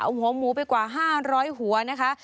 โอ้โหหมูไปกว่า๕๐๐หัวนะคะ